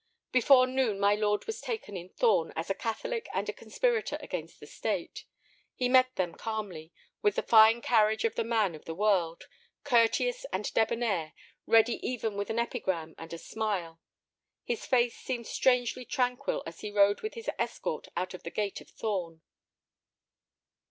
Before noon my lord was taken in Thorn as a Catholic and a conspirator against the state. He met them calmly, with the fine carriage of the man of the world, courteous and debonair, ready even with an epigram and a smile. His face seemed strangely tranquil as he rode with his escort out of the gate of Thorn.